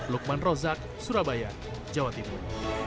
lukman rozak surabaya jawa timur